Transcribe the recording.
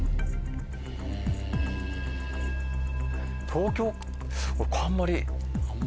東京これあんまり。